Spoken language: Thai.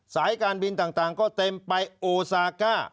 สายการบินต่างก็เต็มไปโอซาก้า